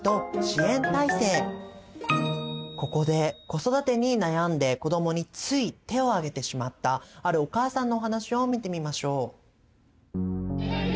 ここで子育てに悩んで子どもについ手を上げてしまったあるお母さんのお話を見てみましょう。